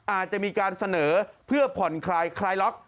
อาจจะมีการเสนอเพื่อผ่อนคลายคลายล็อก